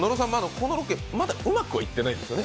このロケ、まだ、うまくはいっていないですよね？